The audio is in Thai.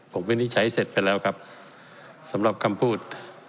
ผมวินิจฉัยเสร็จไปแล้วครับสำหรับคำพูด